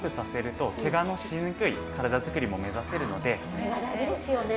それは大事ですよね！